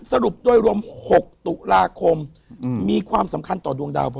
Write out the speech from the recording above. สรุปโดยรวม๖ตุลาคมมีความสำคัญต่อดวงดาวพอ